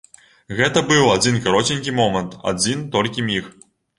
Гэта быў адзін кароценькі момант, адзін толькі міг.